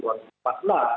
itu harus setiap bulan